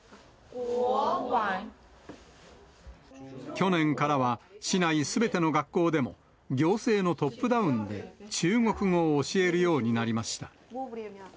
去年からは、市内すべての学校でも、行政のトップダウンで中国語を教えるようになりました。